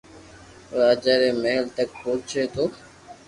راجا ري مھل تڪ پوچي تو